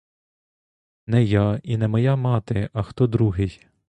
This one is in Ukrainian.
Не я і не моя мати, а хто другий!